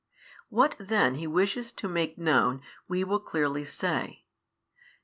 |571 What then He wishes to make known, we will clearly say.